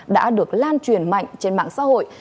đã được lan truyền mạnh trên mạng xã hội